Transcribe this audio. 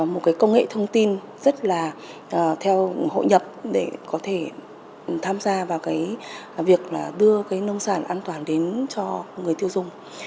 một cái công nghệ thông tin rất là hội nhập để có thể tham gia vào cái việc là đưa cái nông sản an toàn đến cho người tiêu dùng